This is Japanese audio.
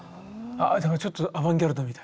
ちょっとアバンギャルドみたいな？